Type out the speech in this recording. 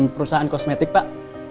perusahaan kosmetik pak